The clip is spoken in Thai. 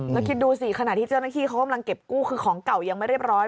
แล้วคิดดูสิขณะที่เจ้าหน้าที่เขากำลังเก็บกู้คือของเก่ายังไม่เรียบร้อย